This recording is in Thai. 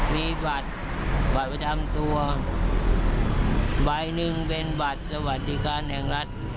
มีบัตรบัตรประจำตัวใบหนึ่งเป็นบัตรสวัสดิการแห่งรัฐ